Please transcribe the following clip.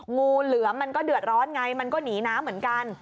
งูเหลือมมันก็เดือดร้อนไงมันก็หนีน้ำเหมือนกัน